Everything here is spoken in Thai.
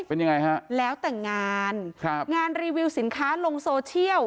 เป็นยังไงฮะแล้วแต่งงานครับงานรีวิวสินค้าลงโซเชียล